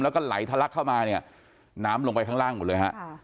แล้วก็ไหลทะลักเข้ามาเนี่ยน้ำลงไปข้างล่างหมดเลยฮะ